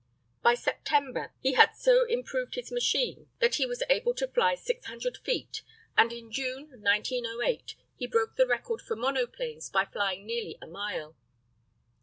By September he had so improved his machine that he was able to fly 600 feet, and in June, 1908, he broke the record for monoplanes by flying nearly a mile.